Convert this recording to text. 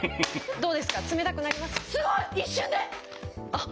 そうですか！